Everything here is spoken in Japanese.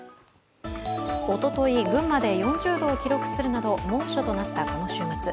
おととい、群馬で４０度を記録するなど猛暑となった今週末。